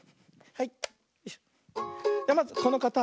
はい。